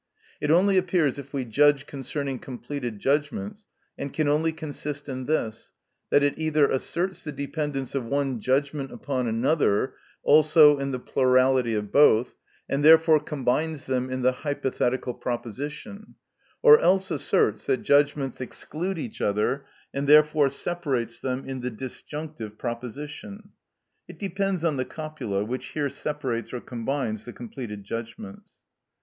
_ It only appears if we judge concerning completed judgments, and can only consist in this, that it either asserts the dependence of one judgment upon another (also in the plurality of both), and therefore combines them in the hypothetical proposition; or else asserts that judgments exclude each other, and therefore separates them in the disjunctive proposition. It depends on the copula, which here separates or combines the completed judgments.